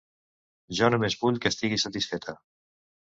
Jo només vull que estigui satisfeta.